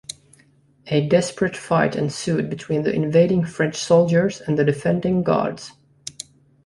A desperate fight ensued between the invading French soldiers and the defending Guards.